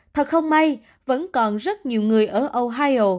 thật không may vẫn còn rất nhiều người ở đây